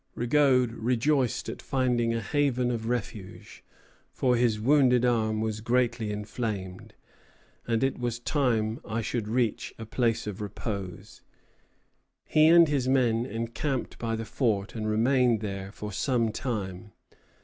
Rigaud rejoiced at finding a haven of refuge, for his wounded arm was greatly inflamed: "and it was time I should reach a place of repose." He and his men encamped by the fort and remained there for some time.